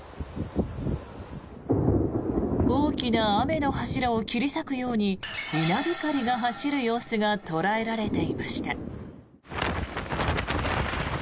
大きな雨の柱を切り裂くように稲光が走る様子が捉えられていました。